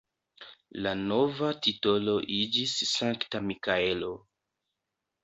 La nova titolo iĝis Sankta Mikaelo.